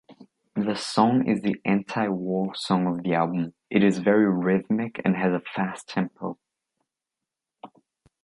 The song is the anti-war song of the album; it is very rhythmic and has a fast tempo.